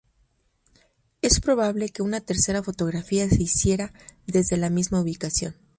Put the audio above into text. Es probable que una tercera fotografía se hiciera desde la misma ubicación.